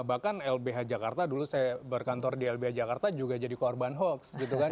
bahkan lbh jakarta dulu saya berkantor di lbh jakarta juga jadi korban hoax gitu kan